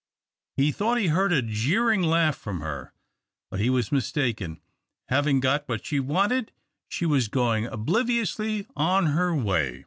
He thought he heard a jeering laugh from her, but he was mistaken. Having got what she wanted, she was going obliviously on her way.